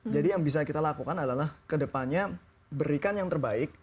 jadi yang bisa kita lakukan adalah kedepannya berikan yang terbaik